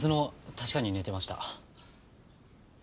確かに寝てました。